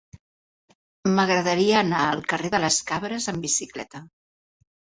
M'agradaria anar al carrer de les Cabres amb bicicleta.